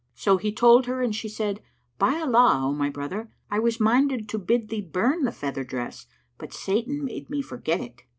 So he told her and she said, "By Allah, O my brother, I was minded to bid thee burn the feather dress, but Satan made me forget it."